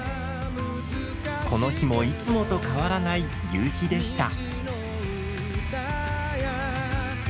この日もいつもと変わらない夕日でした。